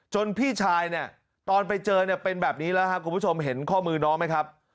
พี่ชายเนี่ยตอนไปเจอเนี่ยเป็นแบบนี้แล้วครับคุณผู้ชมเห็นข้อมือน้องไหมครับ